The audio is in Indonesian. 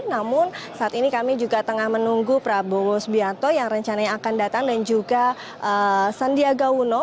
namun saat ini kami juga tengah menunggu prabowo subianto yang rencananya akan datang dan juga sandiaga uno